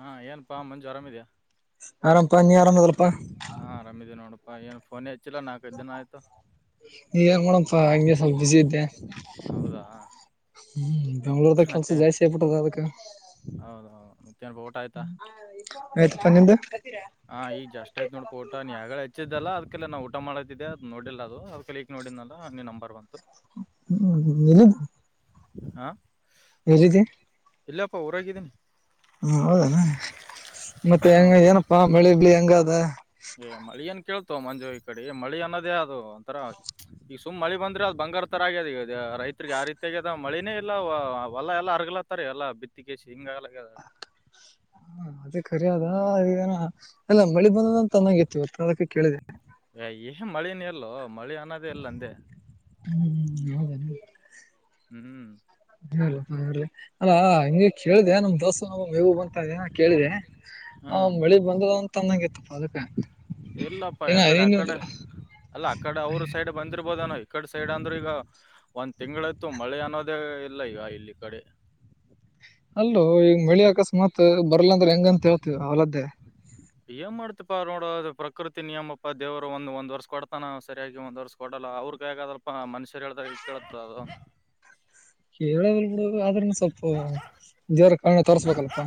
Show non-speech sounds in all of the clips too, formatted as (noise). ಹಾ ಏನಪ್ಪಾ ಮಂಜು ಆರಾಮಿದ್ಯಾ ಆರಂಪ ನೀ ಆರಮದಲಪ್ಪ ಹಾ ಆರಾಮ್ ಇದ್ದೀವಿ ನೋಡಪ್ಪಾ ಏನ್ ಫೋನ್ (unintelligible) ನೀ ಏನ್ ಮಾಡೋಪ್ಪ ಹಂಗೆ ಸ್ವಲ್ಪ ಬಿಸಿ ಇದ್ದೆ ಹೌದಾ ಹ್ಮ್ ಬೆಂಗ್ಳೂರ್ದ ಮತ್ತೆ ಕೆಲ್ಸ ಜಾಸ್ತಿ ಆಗ್ಬಿಟ್ಟದ ಅದ್ಕ ಹೌದೌದು (unintelligible) ಊಟ ಆಯ್ತಾ ಹೂ ಆಯ್ತ್ ಪಾ ನಿಂದು ಹಾ ಈಗ್ ಜಸ್ಟ್ ಆಯತ ನೋಡ್ ಪ ಊಟ ನೀ ಯಾಗ ಹೆಚ್ಚಿದ್ದಲ್ಲ ಅದಕಲ್ಲ ನಾ ಊಟ ಮಾಡತಿದ್ದ ಅದು ನೋಡಿಲ್ಲ ಅದು (unintelligible) ನೋಡಿದ್ನಲ್ಲ ಅ ನೀನ್ ನಂಬರ್ ಬಂತು ಹ್ಮ (unintelligible) ಹಾ (unintelligible) ಇಲ್ಲಪ್ಪ ಊರಾಗಿದ್ದೀನಿ ಹ್ಮ ಹೌದನೆ ಮತ್ತೆ ಹೆಂಗ ಊರ್ ಏನಪ್ಪಾ ಮಳಿ ಬಿಳಿ ಹೆಂಗದ ಏ ಮಳಿ ಏನ್ ಕೇಳ್ತವ ಮಂಜು ಈ ಕಡೆ ಮಳಿ ಅನ್ನೋದೇ ಅದು ಒಂಥರ ಈಗ ಸುಮ್ ಮಳಿ ಬಂದ್ರೆ ಅದ್ ಬಂಗಾರ ತರ ಆಗ್ಯದ ಈಗ ರೈತರಿಗೆ ಆ ರೀತಿಯಾಗ್ಯದ ಮಳಿನೇ ಇಲ್ಲ ಹೊಲ್ಲ ಎಲ್ಲ ಹರಗ್ಲತ್ತ ಇತಾರೆ ಎಲ್ಲ ಬಿತ್ತಿಗೆೇಶಿ ಹಿಂಗ (unintelligible) ಹಾ ಅದೇ ಕರಿ ಅದ (unintelligible) ಎಲ್ಲ ಮಳಿ ಬಂದದಂತ ಅನ್ನೋಗ್ ಇತ್ತುವತ್ತು ಅದಕ್ಕೆ ಕೇಳಿದೆ ಏ ಇಲ್ಲ ಮಳೆನೀ ಎಲ್ಲೋ ಮಳಿ ಅನ್ನೋದೇ ಇಲ್ಲ ಅಂದೆ ಹ್ಮ್ ಹೌದನೆ (unintelligible) ಹ್ಮ್ (unintelligible) ಹ ಹ (unintelligible) ಕೇಳಿದೆ ನಮ್ ದೋಸ ನ ಮೇವು ಬಂತನ ಕೇಳಿದೆ ಹಾ ಹ ಮಳಿ ಬಂದದ ಅಂತ ಅಂದಂಗಿತ್ತಪ್ಪ ಅದಕ್ಕೆ ಇಲ್ಲಪ್ಪ ಯಕಡೆ ಅಕಡೆ ಅಲ್ಲ ಅಕಡೆ ಅವ್ರ ಸೈಡ್ ಬಂದಿರ್ಬೋದನ ಈಕಡೆ ಸೈಡ್ ಅಂದ್ರರು ಈಗ ಒಂದ್ ತಿಂಗಳಾಯತು ಮಳೆ ಅನ್ನೋದೇ ಇಲ್ಲ ಈಗ ಇಲ್ಲಿ ಕಡೆ ಅಲ್ಲೋ ಈಗ ಮಳಿ ಅಕಸ್ಮಾತ್ ಬರ್ಲಾಂದ್ರೆ ಹೆಂಗಂತ ಹೇಳ್ತೀಧರ (unintelligible) ಏನ್ ಮಾಡ್ತಿಪಾ ನೋಡು ಪ್ರಕೃತಿ ನಿಯಮಪ್ಪಾ ದೇವರು ಒಂದ್ ಒಂದ್ ವರ್ಷ ಕೊಡ್ತಾನ ಸರಿಯಾಗಿ ಒಂದ ವರ್ಷ ಕೊಡಲ್ಲ ಅವ್ರ (unintelligible) ಮನುಷ್ಯರು ಹೇಳ್ದಾಗ ಕೇಳುತ್ತಾ ಅದು ಕೇಳೋದಲ್ ಬಿಡ ಆದ್ರನು ಸ್ವಲ್ಪ ದೇವರ ಕರ್ನೆ ತೋರ್ಸ್ಬೇಕಲ್ಲಪ್ಪ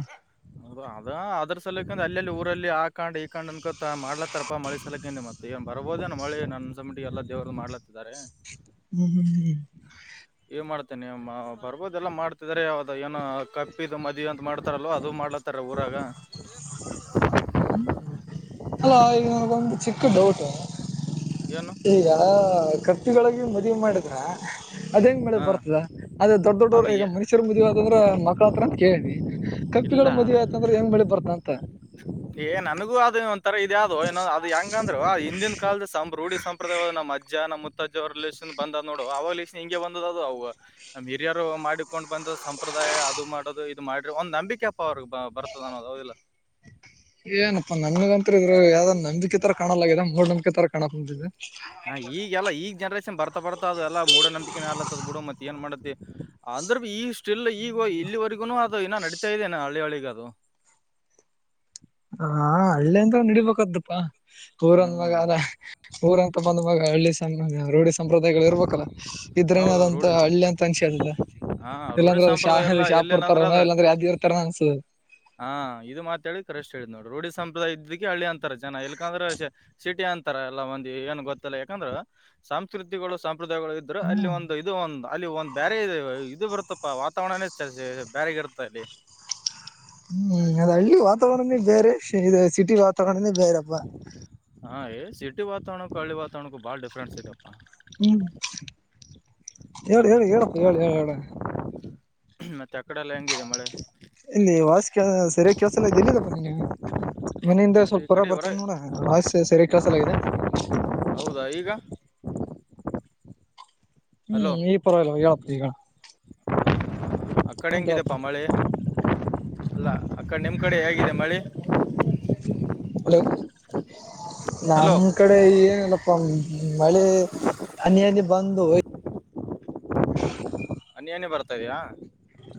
ಹೌ ಅದ ಅದ್ರ ಸಲಕಂದ ಅಲ್ಲ ಅಲ್ಲಿ ಊರಲ್ಲಿ ಆ ಕಂಡ್ ಈ ಕಾಂಡ್ ಅನ್ಕೋತ ಮಾಡ್ಲತ್ತಾರಪ್ಪಾ ಮಳಿ ಸಲಕೆ ಮತ್ತೆ (inaudible) ಬರಬೋದನ ಮಳಿ ನನ್ ಅನ್ಸೋ ಮಟ್ಟಿಗೆ ಎಲ್ಲಾ ದೇವ್ರು ಮಾಡಲತ್ತಿದ್ದಾರೆ ಹ್ಮ್ ಹ್ಮ್ ಹ್ಮ ಏನ್ ಮಾಡ್ತೇನೆ ಬರ್ಬೋದೆಲ್ಲ ಮಾಡ್ತಿದಾರೆ ಯಾವ್ದ ಏನ ಕಪ್ಪಿದ ಮದಿ ಅಂತ ಮಾಡ್ತಾರಲ್ವ ಅದು ಮಾಡ್ಲ ಹ ಥರ ಊರಾಗ ಎಲಾ (unintelligible) ಚಿಕ್ಕಿ ಅದಕ್ಕ ಡೌಟ್ ಏನು ಈಗ ಕಟ್ಟಿಗಳಿಗ ಮದುವೆ ಮಾಡಿದ್ರ ಅದ ಹೆಂಗ್ ಮಳೆ ಹ ಬರ್ತದ ಅದೇ ದೊಡ್ಡ ದೊಡ್ಡವರು ಅದು ಈಗ ಮನುಷ್ಯರು ಮದುವೆ ಅದ ಅಂದ್ರ ಮಕ್ಕಳ ಆತರ ಅಂತ ಕೇಳಿನೀ. ಇಲ್ಲ ಕಪ್ಪಿಗಳು ಮದುವೆೆ ಆತ್ ಅಂದ್ರ ಹೆಂಗ ಮಳೆ ಬರ್ತದ ಅಂತ ಏ ನನಗೂ ಅದು ಒಂಥರ ಇದ್ಯವುದು ಏ ಅದು ಹೆಂಗಂದ್ರು ಹಿಂದಿನ ಕಾಲದ ಸಂಭ್ರೂ ಸಂಪ್ರದಾಯ ಒಳಗ ನಮ್ಮ ಅಜ್ಜ ನಮ್ಮ ಮುುತ್ತಜ್ಜ ಅವರ ರಿಲೇಶನ್ ಬಂದ್ ನೋಡ ಅವಾಲೇಶಿಳಿಂದ ಹಿಂಗ ಬಂದದ ಅದು ಅವು ನಮ್ಮ ಹಿರಿಯರು ಮಾಡಿಕೊಂಡು ಬಂದು ಸಂಪ್ರದಾಯ ಅದು ಮಾಡದು ಇದು ಮಾಡ್ರಿ ಒಂದ ನಂಬಿಕೆ ಅವ್ರಿಗೆ ಬರ್ತದ ಅನ್ನೋದ ಹೌದಿಲ್ಲ. ಏನಪ್ಪಾ ನಮಗಂತ ಇದರು ಯಾವ್ದ್ ನಂಬಿಕೆ ತರ ಕಾಣಲಾಗಿದೆ ಮೂಡ್ ನಂಬಿಕೆ ತರ ಕನ್ನಡ ಕಾಣಾಕ್ಕುಂತಿದೆ. ಹಾ ಈಗೆಲ್ಲಾ ಈಗ್ ಜನ್ರೇಷನ್ ಬರ್ತಾ ಬರ್ತಾ ಅದು ಎಲ್ಲ ಮೂಢ ನಂಬಿಕೆ ಆಗ್ಲತದ್ ಬಿಡು ಮತ್ ಏನ್ ಮಾಡಾತಿ ಅಂದ್ರೆ ಬಿ ಈಗ ಸ್ಟಿಲ್ ಈಗ ಇಲ್ಲಿವರೆಗುನು ಅದು ಇನ್ನ ನಡೀತಾ ಇದೆೇನೆ ಹಳ್ಳಿ ಹಳ್ಳಿಗ ಅದು ಹ ಹಳ್ಳಿ ಅಂದ ನಡಿಬೇಕ ಅಂತ್ಪಾ. ಊರಂದ ಮಗ ಹ್ಮ್ ಅದ ಊರಂತ ಬಂದ ಮಗ ಹಳ್ಳಿ ಸಣ್ಣ ರೂಡಿ ಸಣ್ಣ ಸಂಪ್ರದಾಯಗಳ ಇರ್ಬೇಕಲ್ಲ ಇದ್ರೇನೆೇ ಹೌದು ಆದಂತ ರೂಢಿ ಹಳ್ಳಿ ಅಂತ ಅನ್ಸಿದದ. ಹಾ ರೂಢಿ ಇಲ್ಲಾಂದ್ರ ಅ ಶಾ ಸಂಪ್ರದಾಯ ಎಲ್ಲ ಹರಿ ಶಾಪುರ್ತಾರ ಎಲ್ಲೇನಂದ್ರ ಅದ ಇಲ್ಲಾಂದ್ರೆ ಅದ್ ಅಂದ್ರ ಯಾದಗಿರಿ ತರನಾ ಅನ್ಸುದು. ಹಾ ಇದು ಮಾತಾಡಿ ಕರೆಷ್ಟ್ ಹೇಳಿದ ನೋಡು ರೂಢಿ ಸಂಪ್ರದಾಯ ಇದ್ದಕ್ಕೆ ಹಳ್ಳಿ ಅಂತಾರ ಜನ ಇಲ್ಕಂದ್ರೆ ಸಿಟಿ ಅಂತಾರ ಎಲ್ಲ ಒಂದ ಏನು ಗೊತ್ತಲ್ಲ ಯಾಕಂದ್ರ ಸಂಸ್ಕೃತಿಗಳು ಸಂಪ್ರದಾಯಗಳು ಇದ್ರೆ ಅಲ್ಲಿ ಹ್ಮ್ ಒಂದು ಇದು ಒಂದು ಅಲ್ಲಿ ಒಂದ್ ಬೇರೆ ಇ ಇದು ಬರುತ್ತಪ್ಪ ವಾತಾವರಣೇ ಬೇರೆಗ ಇರುತ್ತ ಅಲ್ಲಿ. ಹ್ಮ್ ಅದ್ ಹಳ್ಳಿ ವಾತಾವರಣನೇ ಬೇರೆ ಇ ಸಿಟಿ ವಾತಾವರಣನೇ ಬೇರೆಪ್ಪಾ ಹಾ ಏ ಸಿಟಿ ವಾತಾವರಣಕ್ಕ ಹಳ್ಳಿ ವಾತಾವರಣಕ್ಕೂ ಬಾಳ ಡಿಫ್ರೆನ್ಸ್ ಐತಪ್ಪಾ. ಹ್ಮ್ ಹೇಳ ಹೇಳ ಹ್ಮ್ ಹೇಳಪ್ಪ ಹೇಳ ಹೇಳ ಹೇಳ ಮತ್ತೆ ಅಕಡೆ ಎಲ್ಲಾ ಹೆಂಗಿದೆ ಮಳೆ ಇಲ್ಲಿ ವಾಸ ಕೇ ಸರಿಯಾಗಿ ಕೆಲ್ಸಲಾಗೇದ ಎಲ್ಲಿದಪ್ಪ ನೀ ಮನೆಯಿಂದ ಈ ಸ್ವಲ್ಪ ಹೊರ ಕಡೆ ಬರ್ತೇನೆ ನೋಡ ವಾಯ್ಸ್ ಸರಿಯಾಗಿ ಕೆಲ್ಸಲಾಗಿದೆ. ಹೌದಾ ಈಗ ಹಲೋ ಹ್ಮ್ ಈ ಪರವಾಗಿಲ್ಲ ಯಾವತ್ ಈಗ ಈಕಡೆ ಹೇಳಪ್ಪ. ಹಂಗಿದಪ್ಪ ಮಳೆ ಅಲ್ಲ ಆ ಕಡೆ ನಿಮ್ಮ ಕಡೆ ಹೇಗಿದೆ ಮಳೆ? ಹಲೋ ಹಲೋ ನನ್ ಕಡೆ ಏನಿಲ್ಲಪಾ ಹ್ಮ್ ಮಳೆ ಹನಿಹನಿ ಬಂದು ಹನಿ ಹನಿ ಬರ್ತಾ ಇದೆಯಾ?.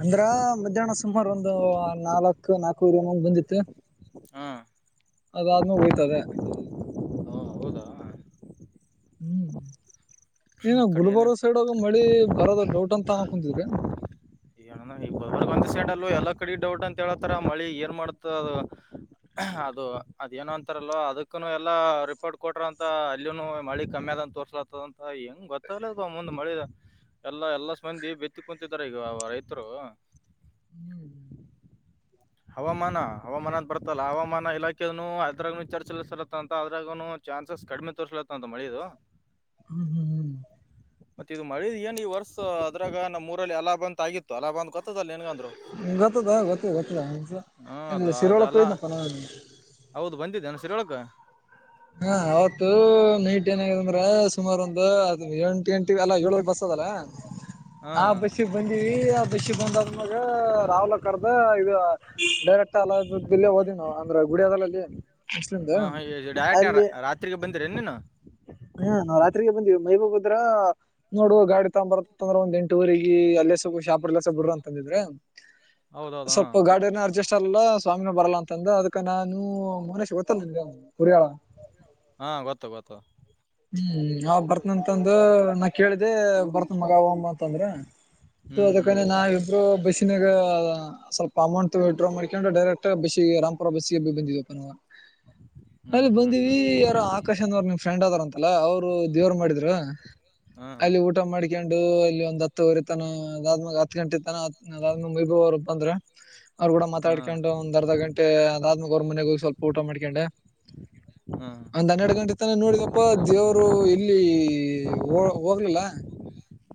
ಅಂದ್ರ ಮಧ್ಯಾಹ್ನ ಸುಮಾರ ಒಂದು ನಾಲ್ಕ್ ನಾಲ್ಕವರೆ ಏಂದ್ ಬಂದಿತ್ತು. ಹಾ ಆದಾದ್ಮೇಲೆ ಮುಗಿತು ಅದೇ. ಹೌದಾ ಹ್ಮ್ ಈ ಕಡೆ ಏನ್ ಗುಲ್ಬರ್ಗ ಸೈಡ್ಗ ಮಳಿ ಬರೋದ ಡೌಟ್ ಅಂತ ಹಾ ಕುಂತಿದ್ರಿ. ಒಂದ್ ಸೈಡ್ ಅಲ್ಲೂ ಎಲ್ಲಾ ಕಡೆ ಡೌಟ್ ಅಂತ ಹೇಳತಾರ ಮಳಿ ಏನ್ ಮಾಡ್ತದ ಅದು ಅದ ಏನ ಅಂತಾರಲ್ವ ಅದಕ್ಕನು ಎಲ್ಲಾ ರಿಪೋರ್ಟ್ ಕೊಟ್ರ ಅಂತ ಅಲ್ಲಿನು ಮಳಿ ಕಮ್ಮಿ ಅದಂತ ತೋರ್ (unintelligible) ಹೆಂಗ್ ಗೊತ್ತಾಗ್ದು ಮುಂದ್ ಮಳೆ ಎಲ್ಲಾ ಎಲ್ಲಾಸಿ ಮಂದಿ ಬೆತ್ತಿ ಕುಂತಿದ್ದಾರೆ ಈಗ. ರೈತರು ಹ್ಮ್ ಹವಾಮಾನ ಹವಾಮಾನ ಅಂತ ಬರ್ತಲ್ಲ ಹವಾಮಾನ ಇಲಾಖೆನು ಅದ್ರಾಗನು ಚರ್ಚಲ ಸಲ ಅಂತನು ಅದ್ರಾಗನು ಚಾನ್ಸಸ್ ಕಡಿಮೆ ತೋರ್ಸಲಾತೇತ ಅಂತ ಮಳೆದು. ಹ್ಮ್ ಹ್ಮ್ ಹ್ಮ್. ಮತ್ತೆ ಇದು ಮಳಿ ಏನ್ ಇದ ಈ ವರ್ಷ ಅದ್ರಾಗ ನಮ್ಮಉರಲ್ಲಿ ಅಲಾಭ ಅಂತ ಆಗಿತ್ತು ಅಲಾಭ ಅಂತ್ರ ಗೊತ್ತದಲ್ಲ ನಿಂಗ ಅಂದ್ರೂನು ಗೊತ್ತದ ಗೊತ್ತದ ಹ್ಮ್ ಅದು ಗೊತ್ತದ ಶಿರೋಳ್ಳಕ್ಕ ಅದಲ್ಲ ಹೋಗಿದೆನಪ್ಪ ನಾನು ಹೌದು ಬಂದಿದ್ದ ಏನ್ ಶೀರೊಳಕ್ಕ. ಹಾ ಅವತ್ತು ನೈಟ್ ಏನದ ಅಂದ್ರ ಸುಮಾರ ಒಂದು ಎಂಟು ಎಂಟು. ಅಲ್ಲಾ ಏಳುವರೆ ಬಸದಲ್ಲ. ಆ ಹ್ಮ್ ಬಸ್ಸಿಗೆ ಬಂದಿವಿ ಆ ಬಸ್ಸಿಗೆ ಬಂದಾದ್ಮಾಗ ರಾವ್ಲ ಕರ್ದ ಇದು. ಡೈರೆಕ್ಟ್ಗಿ ಅಲ್ಲ ಬಿಲ್ಲಿ ಹೋದಿವಿ ನಾವು ಅಂದ್ರ ಗುಡಿಯದಲ್ಲಿ ಮಸ್ಲಿಂದೆ. ರಾತ್ರಿರಿಗೆ ಬಂದಿರೇನು ನೀನು. ಹಾ ನಾವು ರಾತ್ರಿರಗೆ ಬಂದ್ವಿ ಮೈಲಗ್ಬಿದ್ರ. ನೋಡು ಗಾಡಿ ತಗೊ ಬರತ್ತ ಅಂದ್ರ ಒಂದ ಎಂಟವಾರಿಗಿ ಅಲ್ಲೇಸ ಶಾಪರ್ ಎಲ್ಲಸ ಬಿಡ್ರ ಅಂತಂದಿದ್ರೆ. ಹೌದೌದು ಹಾ ಸ್ವಲ್ಪ ಗಾಡಿಯನ ಅಡ್ಜಸ್ಟ್. ಅಲ್ಲ ಸ್ವಾಮಿನ ಬರಲ್ಲ ಅಂತಂದ ಅದಕ್ಕ ನಾನು ಮನೇಶ್ ಗೊತ್ತಲ್ಲ ನಿನ್ಗೆ ಹುರಿಯಾಳ. ಹಾ ಗೊತ್ತು ಗೊತ್ತು. ಹ್ಮ್ ಅವ ಬರ್ತನ ಅಂತಂದು ನಾ ಕೇಳಿದೆ ಬರ್ತ್ನ ಮಗ ಹೋಗೋಮ್ ಬಾ ಅಂತಂದ್ರು. ಸೊ ಹ್ಮ್ ಅದಕೆನೇ ನಾವ್ ಇಬ್ರು ಬಸ್ಗೆ. ಬಸ್ನಗಾ ಸ್ವಲ್ಪ ಅಮೌಂಟ್ ವಿತ್ ಡ್ರಾ ಮಾಡ್ಕೊಂಡು ಡೈರೆಕ್ಟ್ಗೆ ಬಸ್ಸಿಗೆ ರಾಮ್ ಪುರ ಬಸ್ಸಿಗೆ ಬಂದಿವಪ್ಪ ನಾವು. ಹ್ಮ್ ಅಲ್ಲಿ ಹ್ಮ್ ಬಂದೀವಿ ಹ್ಮ್ ಹ್ಮ್ ಯಾರೋ ಆಕಾಶ್ ಅನ್ನೋರು ನಿಮ್ ಫ್ರೆಂಡ್ ಆದರಂತ. ಅಲ್ಲಾ ಅವರು ದೇವರು ಮಾಡಿದ್ರು ಹಾ ಅಲ್ಲಿ ಊಟ. ಊಟ ಮಾಡ್ಕೊಂಡು ಅಲ್ಲಿ ಒಂದ್ ಹತ್ತುವರೆ ತನ ಅದಾದ್ಮಾಗೆ ಹತ್ತು ಗಂಟೆ ತನ. ಅದಾದ್ಮೇಲೆ ಮೈಬು ಅವರ್ ಬಂದ್ರು. ಅವ್ರು ಕೂಡ ಹಾ ಮಾತಾಡ್ಕೊಂಡು ಒಂದ್ ಅರ್ಧ ಗಂಟೆ ಅದಾದ್ಮಾಗೆ ಅವ್ರ ಮನೆಗೆ ಹೋಗಿ ಸ್ವಲ್ಪ ಊಟ ಮಾಡ್ಕೊಂಡೆ. ಹ್ಮ. ಒಂದ್ ಹನ್ನೆರಡು ಗಂಟೆ ತನ ನೋಡಿದಪ್ಪ ದೇವರು ಎಲ್ಲಿ ಹೋಗ್ಲಿಲ್ಲ.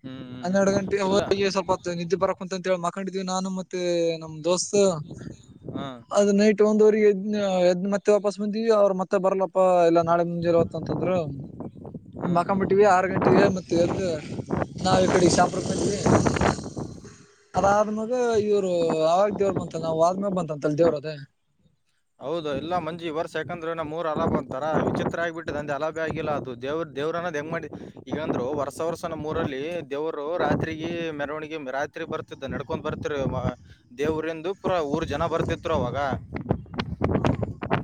ಹ್ಮ್ ಹ್ಮ್ ಹನ್ನೆರಡು ಗಂಟೆ ಇಲ್ಲ ಹೋಗಿ ಸ್ವಲ್ಪ ನಿದ್ದೆ ಬರಕ್ ಅಂತೇಳಿ ಮಕೊಂಡಿದೀವಿ ನಾನು ಮತ್ತೆ. ನಮ್ ದೋಸ್ತ ಹಾ ಅದು ನೈಟ್. ಮತ್ ಒಂದ್ವ್ರಿಗೆ ಎದ್ ಎದ್ ಮತ್ತೆ ವಾಪಾಸ್ ಬಂದಿವಿ ಅವ್ರ ಮತ್ತೆ ಬರ್ಲಪಾ ಇಲ್ಲ ನಾಳೆ ಮುಂಜೆಲೆವೊತ್ತು ಅಂತಂದ್ರು. ಹ್ಮ್ ಹ್ಮ್ ಮಾಕೊಂಬಿಟ್ಟಿವಿ ಮತ್ತ್ ಹ್ಮ್ ಆರ್ ಗಂಟಿಗೆ ಮತ್ತೆ ಎದ್ದು. ನಾವು ಇ ಕಡೆ ಸಶಾಪುರಕ್ಕೆ ಬಂದ್ವಿ ಅದಾದ್ ಮೇಲೇ. ಇವರು ಯಾವಾಗ ದೇವ್ರ ಬಂತ ನಾವು ಆದ್ಮೇಗ ಬಂತ ಅಂತ ಅಲ್ಲಿ ದೇವ್ರ ಅದೇ. ಹೌದು ಎಲ್ಲಾ ಮಂಜಿ ವರ್ ಸೆಕಂದ್ ಏ ಮೂರ್ ಅಲಾಬ್ ಅಂತಾರ ವಿಚಿತ್ರ ಆಗ್ಬಿಟ್ಟಿದೆ ಅಂದೆ ಅಲಾಿ ಆಗಿಲ್ಲ ಅದು ದೇವ್ರ. ದೇವ್ರನ್ನೋದು ಹೆಂಗ್ ಮಾಡ ಈಗಂದ್ರು ವರ್ಸ ವರ್ಷ ಮೂರಲ್ಲಿ ದೇವ್ರು ರಾತ್ರಿರಿಗೆ ಮೆರವಣಿಗೆ ರಾತ್ರಿ ಬರ್ತ. ನಡ್ಕೊಂಡ್ ಬರ್ತಿರಿ ದೇವ್ರಂದು ಪುರಾ ಊರ್ ಜನ ಬರ್ತಿತ್ತುರು ಅವಾಗ. ಹ್ಮ.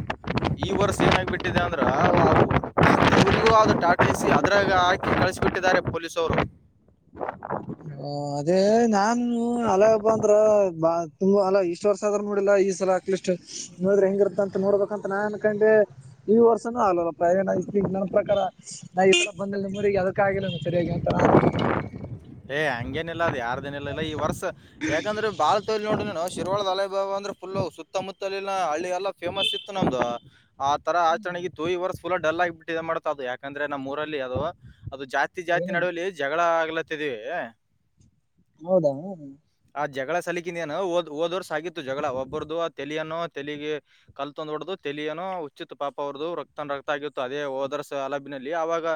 ಈ ವರ್ಷ ಏನಾಗ್ ಬಿಟ್ಟಿದೆ ಅಂದ್ರೇ. ಟ ಟ ಇ ಸಿ ಅದರ ಹಾಕಿ ಕಳಿಸಿಬಿಟ್ಟಿದ್ದಾರೆ ಪೊಲೀಸವರು. ಅದೇ ನಾನು ಅಲ ಹಬ್ಬ ಅಂದ್ರ ಬಾ ತುಂಬ ಅಲ ಇಷ್ಟ್ ವರ್ಷ ಆದ್ರ ನೋಡಿಲ್ಲ ಈ ಸಲ. ನೋಡ್ರೆ ಹೆಂಗಿರುತ್ತಂತ ನೋಡ್ಬೇಕಂತ ನಾನ್ ಅನ್ನ ಕಂಡೆ. ಈ ವರ್ಷನುೂ ಆಗ್ಲಲ್ಲ ಪ್ರಯಾಣ ಇಲಿಗ್ ನನ್ನ ಪ್ರಕಾರ ನಾನ್. ಬಂದಿಲ್ಲ ಅದಕ್ಕ ಆಗಿಲಲ್ಲೇನೋ ಸರಿಯಾಗಿ ಅಂತ ನಾನು. ಹಂಗೇಏನಿಲ್ಲಾ ಅ್ ಯಾರದೇನ್ ಇಲ್ಲ ಇಲ್ಲ ಈ ವರ್ಷ ಯಾಕಂದ್ರೆ ಬಾಳ ತೋಲಿ ನೋಡ್ ನಾಡು. ಶಿರ್ವಾಳದ ಹಾಲೈಬಾಬ ಅಂದ್ರೆ ಫುಲ್ಲು ಸುತ್ತಮುತ್ತಲಿನ ಹಳ್ಳಿ ಎಲ್ಲ ಫೇಮಸ್ ಇತ್ತು ನಮ್ದು. ಆ ತರ ಆಚರಣೆಗೆ ತೋಯಿ ವರ್ಸ್ ಫುಾ ಡಲ್ ಆಗಿಬಿಟ್ಟು ಇ ಮಾಡ್ತಾ ಅದು ಯಾಕಂದ್ರೆ ನಮ್ಮ್ೂರಲ್ಲಿ ಅದು ಅದು ಜಾಸ್ತಿ. ಜಾತಿ ಅದೇನ ನಡುವಲಿ ಜಗಳ ಆಗ್ಲತ್ತಿದೀವಿ. ಹೌದಾ. ಆ ಜಗಳ ಸಲಕಿಂದ ಏನು ಓದ್ ಓದೋರ್ ಸಾಗಿತ್ತು ಜಗಳ ಒಬ್ಬರದು ಆ ತಲಿಯನೋ ತೆಲಗೆ. ಕಲ್ತಂದ್ ಹೊಡ್ದು ತಲಿಯನೋ ಉಚ್ಚಿತ್ ಪಾಪ ಅವರ್ದು ರಕ್ತ ರಕ್ತ ಆಗಿತ್ತು ಅದೇ ಓದು ವರ್ಷ ಅಲಬಿನಲ್ಲಿ ಅವವಾಗ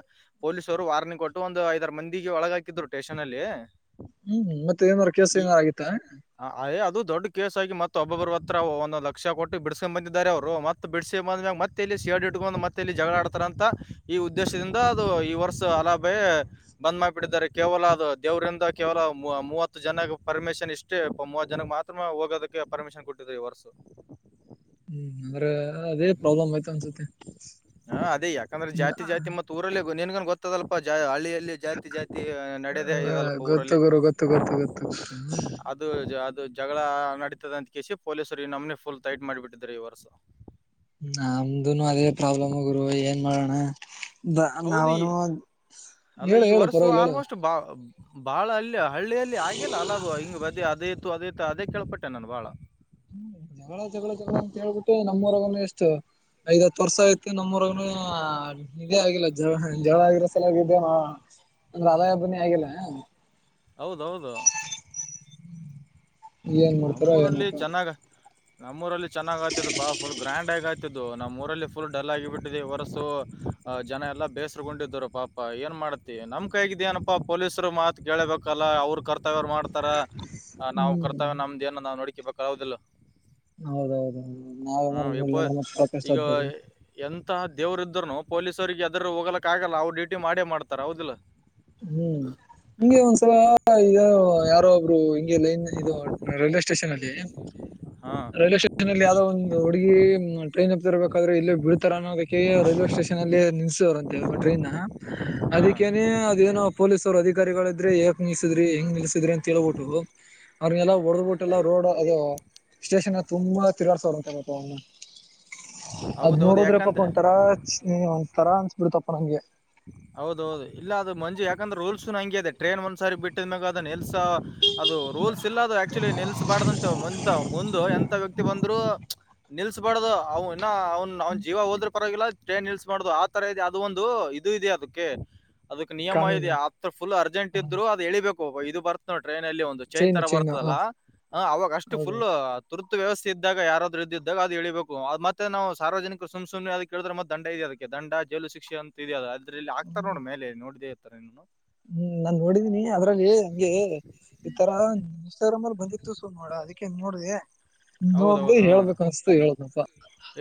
ಪೊಲೀಸವರು ವಾರ್ನಿಂಗ್ ಕೊಟ್ಟು ಒಂದು ಐದಾರ ಮಂದಿಗೆ ಒಳಗ ಹಾಕಿದ್ರು ಸ್ಟೇಷನ್ ಅಲ್ಲಿ. ಹ್ಮ್ ಮತ್ತೆ ಏನಾರ್ ಕೆಲಸ ಏನಾರ್ ಆಗಿತ್ತಾ. ಹ ಅಯ್ ಅದು ದೊಡ್ಡ ಕೇಸ್ ಆಗ ಮತ್ತ ಒಬ್ಬೊಬ್ಬರ ಹತ್ರ ಒಂದು ಲಕ್ಷ ಕೊಟ್ಟ ಬಿಡಿಸಕೊಂಡ ಬಂದಿದ್ದಾರೆ ಅವ್ರು ಮತ್ತೆ. ಬಿಡಡ್ಸ ಬಂದ ಮ್ಯಾಗ ಮತ್ತೆಲ್ಲಿ ಸಡ್ ಇಟ್ಕ್ ಮತ್ತೆಲ್ಲಿ ಜಗಳ ಆಡ್ತಾರ ಅಂತ ಈ ಉದ್ದೇಶದಿಂದ ಅದು ಈ ವರ್ಷ ಅಲಾ ಬೇ ಬಂದ್ ಮಾಡ್ಬಿಟ್ಟಿದ್ದಾರೆ ಕೇವಲ ಅದು ದೇವರಿಂದ ಕೇವಲ ಮೂವತ್ತು ಜನ ಪರ್ಮಿಷನ್ ಇಷ್ಟೇ ಮೂವತ್ ಜನಕ್ಕೆ ಮಾತ್ರ ಹೋಗೋದಕ್ಕೆ ಪರ್ಮಿಷನ್ ಕೊಟ್ಟಿದ್ ಈ ವರ್ಷು ಹ್ಮ್ ಅಂದ್ರೆ ಅದೇ ಪ್ರಾಬ್ಲಮ್ ಆಯ್ತು ಅನ್ಸತಿ ಹಾ ಅದೇ ಯಾಕಂದ್ರೆ ಜಾತಿ ಜಾತಿ (unintelligible) ಮತ್ತು ಊರಲ್ಲಿ ನಿಂಗೆನ್ ಗೊತ್ತದಲ್ಪ ಜ ಹಳ್ಳಿಯಲ್ಲಿ ಜಾತಿ ಜಾತಿ ನಡದೇ ಇದಲ್ಲಪ್ಪ ಊರಲ್ಲಿ ಗ ಗತ್ತು ಗತ್ತು ಗತ್ತು ಗತ್ತು ಅದು ಅದು ಅದು ಜಗಳ ನಡತದ ಅಂತ ಕಸಿ ಪೊಲೀಸರು ನಮ್ನೆ ಫುಲ್ ಟೈಟ್ ಮಾಡಿಬಿಟ್ಟಿದ್ದರ ಈ ವರ್ಷ ನಮ್ದುನು ಅದೇ ಪ್ರಾಬ್ಲಮ್ಗುರು ಏನ್ ಮಾಡೋಣ ಬ ಹೌದು ಈ ನಾವನು ಅಲ್ಲ ಹೇಳು ಈ ಹೇಳು ವರ್ಷು ಪರವಾಗಿಲ್ಲ ಹೇಳು ಆಲ್ಮೋಸ್ಟ್ ಬಾ ಬಾಳ ಅಲ್ಲಿ ಹಳ್ಳಿಯಲ್ಲಿ ಆಗಿಲ್ಲ ಅಲ್ಲದು ಹಿಂಗ ಬದಿ ಅದು ಇತ್ತು ಅದು ಇತ್ತು ಅದೇ ಕೇಳ್ಪಟ್ಟೆ ನಾನು ಬಾಳ ಹ್ಮ ಜಗಳ ಜಗಳ ಅಂತ ಹೇಳ್ಬಿಟ್ಟೆ ನಮ್ಮೂರಗ ಎಷ್ಟು ಐದ್ ಹತ್ತು ವರ್ಷ ಆಯ್ತು ಅದಕ್ಕೆ ಮತ್ತ ನಮ್ಮೂರಗನು ಇದೇ ಆಗಿಲ್ಲ ಜವ ಜಗಳ ಆಗಿರೋ ಸಲಂದ ರಾಯ ಹಬ್ಬನೇ ಆಗಿಲ್ಲ ಹೌದ ಹೌದು ಏನ್ ಮಾಡ್ತಾರೋ ನಮ್ಮೂರಲ್ಲಿ ಏನಪ್ಪಾ ಚೆನ್ನಾಗ ನಮ್ಮೂರಲ್ಲಿ ಚೆನ್ನಾಗ್ ಚೆನ್ನಾಗಿ ಅತ್ತಿತು ಫುಲ್ ಗ್ರ್ಯಾಂಡ್ ಆಗ ಆತ ನಮ್ಮ್ ಊರಲ್ಲಿ ಫುಲ್ ಡಲ್ ಆಗಿಬಿಟ್ಟಿದ್ದು ವರ್ಷು ಜನ ಎಲ್ಲ ಬೇಸರ್ರುಗೊಂಡಿದ್ದ್ರು ಪಾಪ. ಪ್ಪಾ ಏನ್ ಮಾಡ್ತಿ ನಮ್ ಕೈಗಿದ ನಪ್ಪಾ ಪೊಲೀಸರು ಮಾತ್ ಕೇಳಬೇಕಲ್ಲ ಅವ್ರ ಕರ್ತವ್ಯರು ಮಾಡ್ತಾರ. ನಾವು ಹ್ಮ್ ಕರ್ತವೆ ನಮ್ಮದೇನದ ನಾವು ನೋಡಕಬೇಕದಿಲ್ಲ ಹೌದಿಲ್ಲ. ಹೌದು ಹೌದು ನಾವ ಮ (unintelligible) ಕಷ್ಟ್ದೇವೆ ಎಂತ ದೇವರು ಇದ್ರುನು ಪೊಲೀಸವರಿಗೆ ಎದುರಿ ಹೋಗಲಕ್ಕ ಆಗಲ್ಲ ಅವ್ರ ಡ್ಯೂಟಿ ಮಾಡೇ ಮಾಡ್ತಾರ ಹೌದಿಲ್ಲ ಹ್ಮ್ ನಿಂಗೆ ಒಂದ್ಸಲಾ ಇ ಯಾರೋ ಒಬ್ರು ಹಿಂಗೆ ಲೈನಾಗ್ ಇದು ರೈಲ್ವೆ ಸ್ಟೇಷನ್ ಏ ಹಾ ರೈಲ್ವೆ (unintelligible) ಲ್ಲಿ ಯಾವದೋ ಒಂದು ಹುಡುಗಿ ಟ್ರೈನ್ ಹತ್ತಿರಬೇಕಾದ್ರೆ ಇಲ್ಲೆ ಬಿಡ್ತಾರ ಅನ್ನೋದಕ್ಕೆ ರೈಲ್ವೆ ಸ್ಟೇಷನ್ ಅಲ್ಲಿ ನಿಲ್ಸರ್ ಒಟ್ರೀನ್ ಹಾ ಅದಕ್ಕೇನೆ ಇದೇನೋ ಪೊಲೀಸ್ ಅವ್ರ ಅಧಿಕಾರಿಗಳ ಇದ್ರೆ ಯಾಕ್ ನಿಲ್ಸಿದ್ರಿ ಹೆಂಗ್ ನಿಲ್ಸಿದ್ರಿ ಅಂತ ಹೇಳ್ಬಿಟ್ಟು ಅವ್ರನ್ನೆಲ್ಲ ಹೊಡೆದ್ಬಿಟ್ಟೆಲ್ಲ ರೋಡ್ ಅದು ಸ್ಟೇಷನ್ ತುಂಬಾ ತಿರಗಾಡ್ಸೋಂತಗತ್ತ ಅವನ್ನ ಅದ್ ಹೌದೌದು ನೋಡದ್ರ ಪಾಪ ಯಾಕಂದ್ರೆ ಒಂದ್ ತರಾ ಚಿ ಒಂದ ತರಾ ಅನ್ಸ್ಬಿಡ್ತಪ್ಪಾ ನಮಗೆ. ಹೌದೌದು ಇಲ್ಲ ಅದು ಮಂಜು ಯಾಕಂದ್ರೆ ರೂಲ್ಸ್ ಹಂಗೆ ಅದೆ ಟ್ರೇನ್ ಒಂದ್ಸ ಸಾರಿ ಬಿಟ್ಟಿದ್ಮ್ಯಾಗ ಅದನ್ನ ಎಲ್ಸ. ಅದು ರೂಲ್ಸ್ ಇಲ್ಲ ಅದು ಆಕ್ಚುಲಿ ನಿಲ್ಸಬಾರ್ದಂತೆ ಮುಂತ ಮುಂದು ಎಂತ ವ್ಯಕ್ತಿ ಬಂದ್ರು. ನಿಲ್ಸ್ಬಾರ್ದು ಅವನು ಇನ್ನ ಅವ್ನ್ ಅವ್ನ ಜೀವ ಹೋದ್ರ ಪರವಾಗಿಲ್ಲ ಟ್ರೇನ್ ನಿಲ್ಸ್ಬಾರ್ದು ಆ ತರ ಇದೇ ಅದು ಒಂದು ಇದೆ ಅದಕ್ಕೆ ಅದಕ್ಕೆ ನಿಯಮ ಇದೆ ಕಾನೂನು ಆತ್ ಫುಲ್ ಅರ್ಜೆಂಟ್ ಇದ್ರು. ಎಳಿಬೇಕು ಇದು ಬರ್ತ ನೋಡ ಟ್ರೈನ್ ಅಲ್ಲಿ ಒಂದು ಚೈನ್ ತರ ಬರ್ತದಲ್ಲಾ ಅವವಾಗ ಅಷ್ಟು ಫುಲ್. ಹೌದೌದು ತುರ್ತು ವ್ಯವಸ್ಥೆ ಇದ್ದಾಗ ಯಾರಾದರೂ ಇಂದಿದ್ರೆ ಅದು ಏಳಿಬೇಕು ಅದು ಮತ್ತೆ ನಾವು ಸಾರ್ವಜನಿಕ ಸುಮ್ಮಸುಮ್ನೆ ಅದ (unintelligible) ಮತ್ತೆ ದಂಡ ಇದೆ ಅದಕ್ಕೆ ದಂಡ ಜೈಲು ಶಿಕ್ಷೆ ಅಂತ ಇದೆ ಅದು ಅದ್ರಲ್ಲಿ ಆಗ್ತ ನೋಡ ಮೇಲೆ ನೋಡಿದೇ. ಇರ್ತನು ಹ್ಮ್ ನಾನ್ ನೋಡಿದ್ದೀನಿ ಅದ್ರಲ್ಲಿ ಹಾಗೆ ಈತರ. (unintelligible) ಬಂದಿತ್ತು ಸುಮ್ಮ ನೋಡ ಅದಕ್ಕೆ ನೋಡದೆ ನೋಡಿ ಹೌದೌದು ಹಾ ಹೇಳ್ಬೇಕು ಅನಸ್ತು ಹೇಳದಪ್ಪ.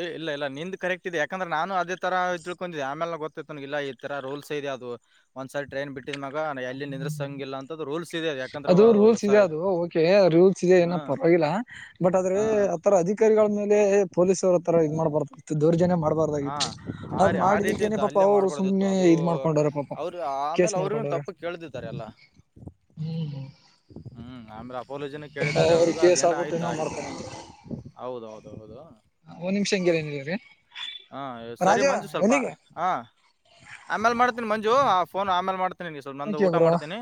ಏ ಇಲ್ಲ ಇಲ್ಲ ನಿಂದ ಕರೆಕ್ಟ್ ಇದೆ ಯಾಕಂದ್ರೆ ನಾನು ಅದೇ ತರ ತಿಳ್ಕೊಂಡಿದ್ದೆ ಆಮೇಲೆ ಗೊ ಇಲ್ಲ ಈ ತರ ರೂಲ್ಸ್ ಇದೆ ಅದು ಒಂದ್ಸಾರಿ ಟ್ರೈನ್ ಬಿಟ್ಟ ಮೇಗ ಎಲ್ಲಿ ಹ್ಮ್ ನಿಂದ್ರಿಸಂಗಿಲ್ಲ ಅಂತ ರೂಲ್ಸ್ ಇದೆ ಅದು ಯಾಕಂದ್ರೆ ಅ ರೂಲ್ಸ್ ಇದೆ ಅದು ಓಕೆ (unintelligible) (unintelligible) ಏನ ಏನುಪಾಪಗಿಲ್ಲ ಬಟ್ ಆದ್ರೆ ಆತರ ಅಧಿಕಾರಿಗಳ ಮೇಲೆ ಪೊಲೀಸವರ ತರ ಇದು ಮಾಡ್ಬಾರ್ದತ್ತು ದೌರ್ಜನ್ಯ ಹಾ ಮಾಡ್ಬಾರ್ದಾಗಿತ್ತು. ಆ ಅದ್ ಆ ರೀತಿ ಮಾಡಿದಕ್ಕೇನೆ ಇತ್ತು ಪಾಪಾ ಹಲ್ಲೆ ಅವರು ಮಾಡ್ಬಾರ್ದಿತ್ತು ಸುಮ್ಮ್ನೆ ಅದು ಇದ್ ಮಾಡ್ಕೊಂಡವ್ರ ಪಾಪ ಕೇಸ್ ಮಾಡ್ಕೊಂಡವ್ರ. ಕೇಳ್ತಿದ್ದಾರೆ ಎಲ್ಲಾ ಹ್ಮ್ ಹ್ಮ್ ಅಂದ್ರೆ ಅಪೋಲಜಿನೂ ಪಾಪ ಕೇಳಿದಿದ್ದಾರೆ ಅವ್ರ ಅವ್ರಿಗೂ ಕೇಸ್ ಅದಏನ ಆಗ್ಬಿಟ್ಟು ಆಯ್ತಾ ಏನೋ ಆಯತದ. ಮಾಡ್ತಾರ ಹೌದೌ ಹೌದು ಹೌದು. ಒಂದ್ ನಿಮಿಷ ಹಂಗೆ ಲೈನಲ್ಲಿರಿ. ಹಾ ಸರಿ ಮಂಜು ಸ್ವಲ್ಪ ಹಾ ಆಮ್ಯಾಲ್ ಮಾಡ್ತೀನ್ ಮಂಜು ಆ ಫೋನ್ ಆಮೇಲೆ ಮಾಡ್ ಗೆ (unintelligible) ಸ್ವಲ್ಪ ನ ಓಕೆ ಊಟ ಬ್ರೋ ಮಾಡ್ತೀನಿ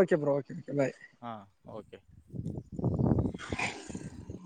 okay bro okay okay bye ಹ ಓಕೆ. (inaudible)